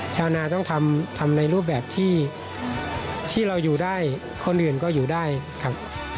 ชาวนาต้องทำในรูปแบบที่เราอยู่ได้คนอื่นก็อยู่ได้ครับ